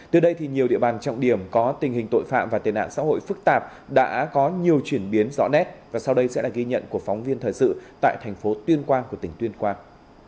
từ đây nhiều địa bàn trọng điểm có tình hình tội phạm và tên nạn xã hội phức tạp đã có nhiều chuyển biến rõ nét và sau đây sẽ là ghi nhận của phóng viên thời sự tại thành phố tuyên quang của tỉnh tuyên quang